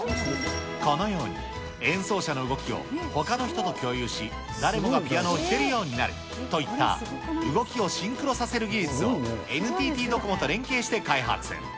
このように、演奏者の動きをほかの人と共有し、誰もがピアノを弾けるようになるといった、動きをシンクロさせる技術を、ＮＴＴドコモと連携して開発。